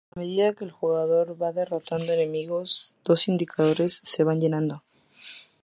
A medida que el jugador va derrotando enemigos, dos indicadores se van llenando.